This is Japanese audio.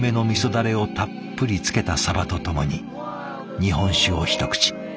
だれをたっぷりつけたサバとともに日本酒を一口。